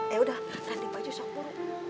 yaudah ganti baju sok purw